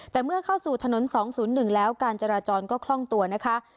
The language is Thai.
แต่เมื่อเข้าสู่ถนน๒๐๑แล้วการจราจรก็คล่องตัวนะคะ